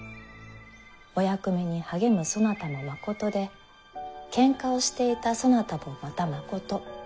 お役目に励むそなたもまことでケンカをしていたそなたもまたまこと。